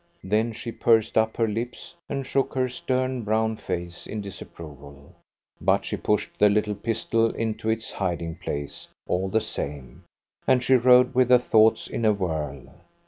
Then she pursed up her lips and shook her stern, brown face in disapproval. But she pushed the little pistol into its hiding place, all the same, and she rode with her thoughts in a whirl.